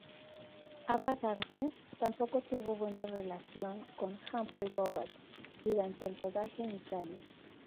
Ava Gardner tampoco tuvo buena relación con Humphrey Bogart durante el rodaje en Italia.